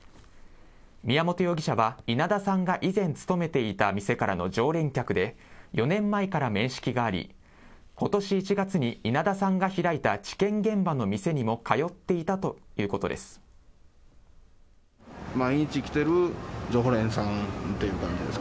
宮本容疑者は、稲田さんが以前勤めていた店からの常連客で、４年前から面識があり、ことし１月に稲田さんが開いた事件現場の店にも通っていたということです。